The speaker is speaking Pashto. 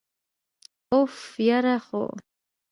أف، یره خو!!